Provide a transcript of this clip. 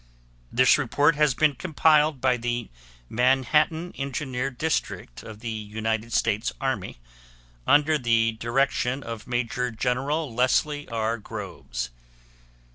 This report has been compiled by the Manhattan Engineer District of the United States Army under the direction of Major General Leslie R. Groves.